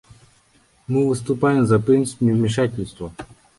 Мы выступаем за принцип невмешательства.